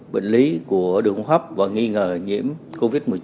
bệnh lý của đường hô hấp và nghi ngờ nhiễm covid một mươi chín